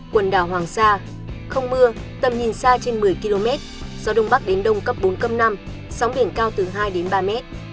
quần đảo hoàng sa không mưa tầm nhìn xa trên một mươi km gió đông bắc đến đông cấp bốn cấp năm sóng biển cao từ hai đến ba mét